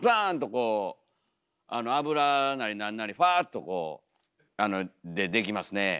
こうあの油なり何なりふわっとこうでできますねえ。